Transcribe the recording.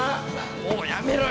もうやめろよ！